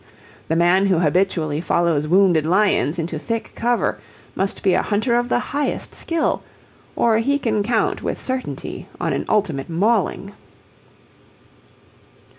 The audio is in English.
The man who habitually follows wounded lions into thick cover must be a hunter of the highest skill, or he can count with certainty on an ultimate mauling.